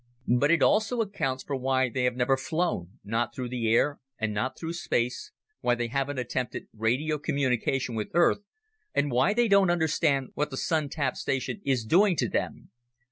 But it also accounts for why they have never flown, not through the air and not through space, why they haven't attempted radio communication with Earth, and why they don't understand what the Sun tap station is doing to them.